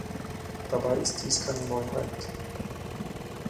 Dabei ist dies keine Neuheit.